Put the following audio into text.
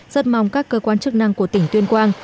rất mong các cơ quan chức năng của tỉnh tuyên quang